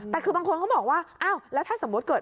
แต่คือบางคนเขาบอกว่าอ้าวแล้วถ้าสมมุติเกิด